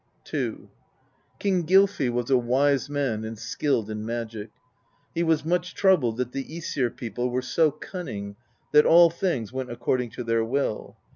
II. King Gylfi was a wise man and skilled in magic; he was much troubled that the ^sir people were so cunning that all things went according to their will.